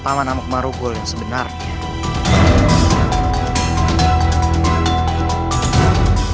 paman alakmaru yang sebenarnya